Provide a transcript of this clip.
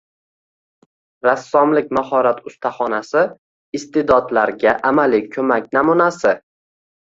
Rassomlik mahorat ustaxonasi – iste’dodlarga amaliy ko‘mak namunasi